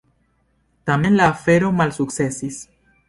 Tamen la afero malsukcesis.